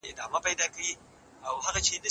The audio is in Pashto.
ایمي وايي، "زه نور نه شم کولی."